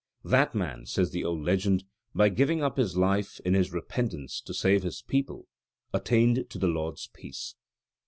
That man, says the old legend, by giving up his life, in his repentance, to save his people, attained to the Lord's peace.